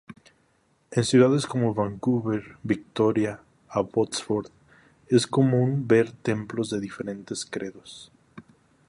En ciudades como Vancouver, Victoria y Abbotsford es común ver templos de diferentes credos.